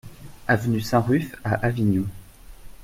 Avenue Saint-Ruf à Avignon